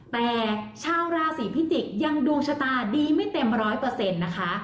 แต่ชาวราศีพิจิกษ์ยังดวงชะตาดีไม่เต็มร้อยเปอร์เซ็นต์นะคะ